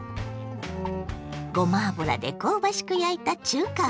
ごま油で香ばしく焼いた中華風ソテー。